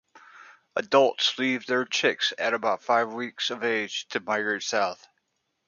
Adults leave their chicks at about five weeks of age to migrate south.